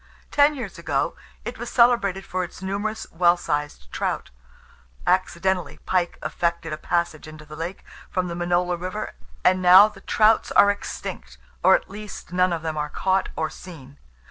Ten years ago it was celebrated for its numerous well sized trouts. Accidentally pike effected a passage into the lake from the Minola river, and now the trouts are extinct, or, at least, none of them are caught or seen.